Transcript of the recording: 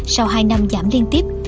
sau hai năm giảm liên tiếp